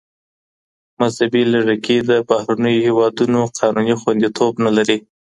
مذهبي لږکي د بهرنیو هیوادونو قانوني خوندیتوب نه لري.